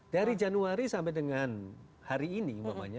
dari januari sampai dengan hari ini umpamanya